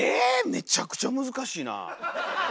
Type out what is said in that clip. めちゃくちゃむずかしいなぁ。